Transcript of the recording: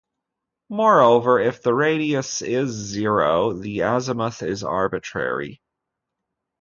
Moreover, if the radius is zero, the azimuth is arbitrary.